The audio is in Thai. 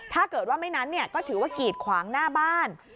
ถ้าเกิดว่าไม่นั้นก็ถือว่ากีดขวางหน้าบ้าน